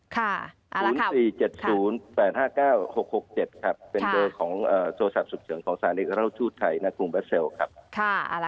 คุณ๔๗๐๘๕๙๖๖๗เป็นเบอร์ของโทรศัพท์สุขเฉิงของศาลิกราศุทรไทยณคุณบัตเซล